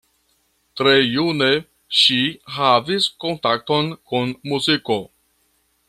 Tre june ŝi havis kontakton kun muziko.